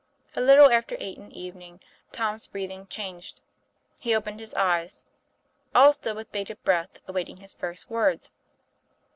A little after eight in the evening Tom's breath ing changed. He opened his eyes. All stood with bated breath, awaiting his first words.